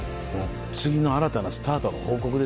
次の新たなスタートの報告ですよね。